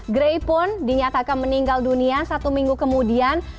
gray pun dinyatakan meninggal dunia satu minggu kemudian